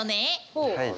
はい。